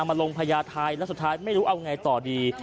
มาลงพญาไทยแล้วสุดท้ายไม่รู้เอาไงต่อดี